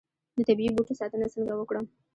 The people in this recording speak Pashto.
د طبیعي بوټو ساتنه څنګه وکړم؟